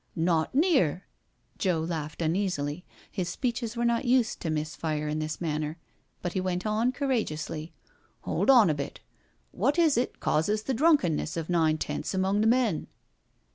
" Not near.*' Joe laughed uneasily, his speeches were not used to miss fire in this manner, but he went on courageously. " Hold on a bit. Wot is it causes the drunkenness of nine tenths among the men?